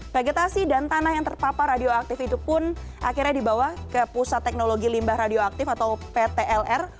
vegetasi dan tanah yang terpapar radioaktif itu pun akhirnya dibawa ke pusat teknologi limbah radioaktif atau ptlr